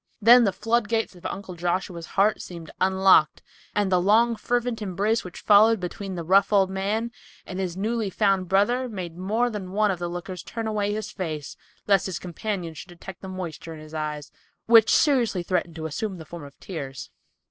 Then the floodgates of Uncle Joshua's heart seemed unlocked, and the long, fervent embrace which followed between the rough old man and his newly found brother made more than one of the lookers on turn away his face lest his companion should detect the moisture in his eyes, which seriously threatened to assume the form of tears.